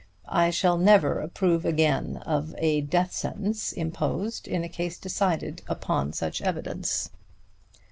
I shall never approve again of a death sentence imposed in a case decided upon such evidence."